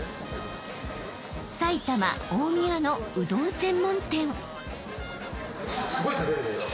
［埼玉大宮のうどん専門店］